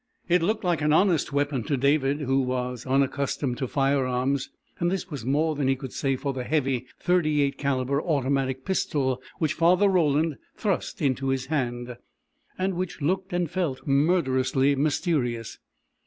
It looked like an honest weapon to David, who was unaccustomed to firearms and this was more than he could say for the heavy, 38 calibre automatic pistol which Father Roland thrust into his hand, and which looked and felt murderously mysterious.